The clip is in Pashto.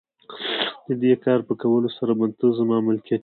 د دې کار په کولو سره به ته زما ملکیت یې.